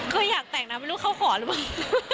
เคยอยากแต่งนะไม่รู้เขาขอหรือเปล่า